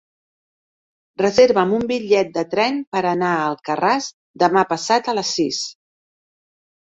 Reserva'm un bitllet de tren per anar a Alcarràs demà passat a les sis.